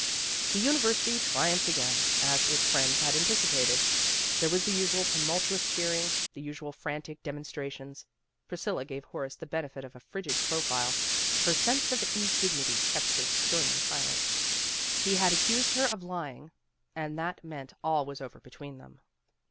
The university triumphed again, as its friends had anticipated. There was the usual tumultous cheering, the usual frantic demon strations. Priscilla gave Horace the benefit of a frigid profile. Her sense of indignity kept her sternly silent. He had accused her of lying, and that meant all was over between them.